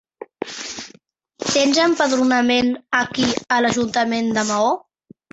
Tens empadronament aquí a l'ajuntament de Maó?